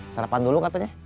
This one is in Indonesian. sarapan dulu katanya